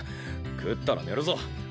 食ったら寝るぞ。